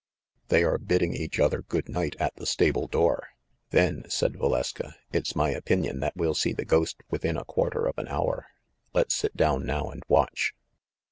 "They were bidding each other good night at the stable door." "Then," said Valeska, "it's my opinion that we'll see the ghost within a quarter of an hour. Let's sit down now and watch."